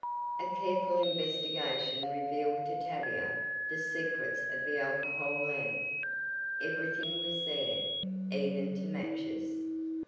A careful investigation revealed to Tavia the secrets of the alcohol lamp. Everything was there even to matches.